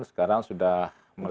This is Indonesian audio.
sekarang sudah lebih